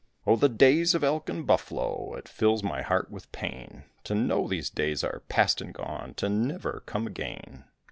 Oh, the days of elk and buffalo! It fills my heart with pain To know these days are past and gone To never come again.